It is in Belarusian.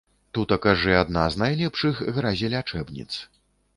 Тутака ж і адна з найлепшых гразелячэбніц.